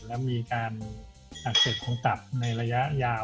แล้วมีการอักเสบของตับในระยะยาว